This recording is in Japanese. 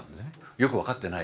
よく分かってない